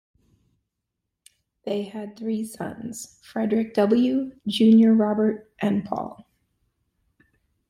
They had three sons, Frederick W., Junior Robert, and Paul.